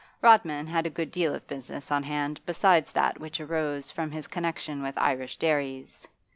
Rodman had a good deal of business on hand besides that which arose from his connection with Irish dairies.